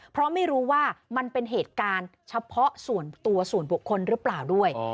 เพราะไม่รู้ว่ามันเป็นเหตุการณ์เฉพาะส่วนตัวส่วนบุคคลหรือเปล่าด้วย